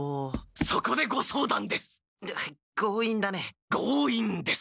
そこでご相談です！